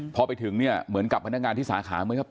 พอไปถึงเหมือนกับพนักงานที่สาขา